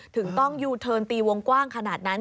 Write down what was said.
ถึงต้องยูเทิร์นตีวงกว้างขนาดนั้น